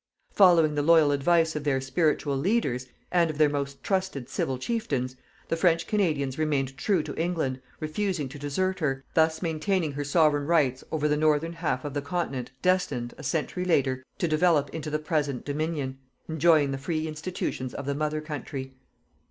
Following the loyal advice of their spiritual leaders, and of their most trusted civil chieftains, the French Canadians remained true to England, refusing to desert her, thus maintaining her Sovereign rights over the Northern half of the Continent destined, a century later, to develop into the present Dominion, enjoying the free institutions of the Mother Country.